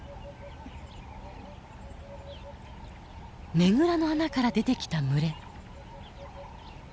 ねぐらの穴から出てきた群れ。